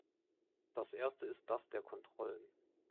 Das erste ist das der Kontrollen.